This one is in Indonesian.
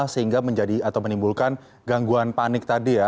sehingga menjadi atau menimbulkan gangguan panik tadi ya